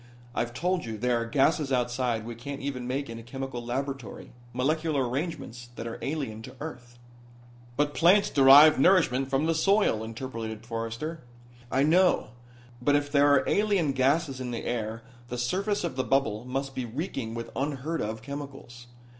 I've told you there are gases outside we can't even make in a chemical laboratory, molecular arrangements that are alien to earth." "But plants derive nourishment from the soil," interpolated Forrester. "I know. But if there are alien gases in the air the surface of the bubble must be reeking with unheard of chemicals.